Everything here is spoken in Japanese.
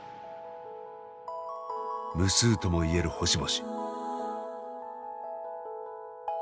無数ともいえる星々。